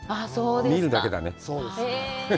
見るだけだね。